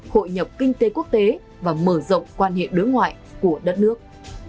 hội nhập kinh tế quốc tế và mở rộng quan hệ đối ngoại của đất nước